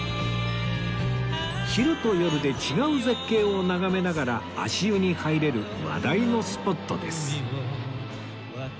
昼と夜で違う絶景を眺めながら足湯に入れる話題のスポットです